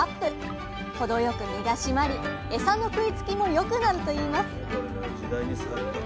程よく身が締まりエサの食いつきも良くなるといいます